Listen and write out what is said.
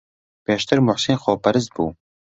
پێشتر موحسین خۆپەرست بوو.